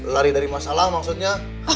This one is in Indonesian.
lari dari masalah maksudnya